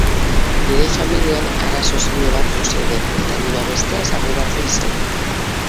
Nire familian arazo serio batzuk zeuden eta ni babesteaz arduratzen zen.